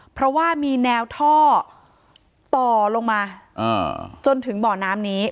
เพราะว่ามีแนวท่อต่อลงมาจนถึงบ่อน้ำนี้